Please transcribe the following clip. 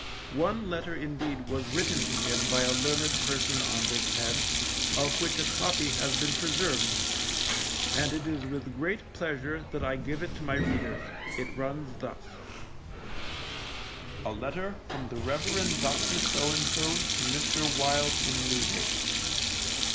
One letter indeed was written to him by a learned person on this head, of which a copy has been preserved, and it is with great pleasure that I give it to my readers, it runs thus: A letter from the Reverend Dr. to Mr. Wild in Newgate.